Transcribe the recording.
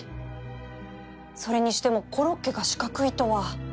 それにしてもコロッケが四角いとは